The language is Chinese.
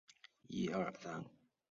政和六年卒。